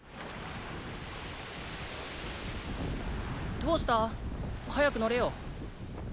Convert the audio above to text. どうした早く乗れよ。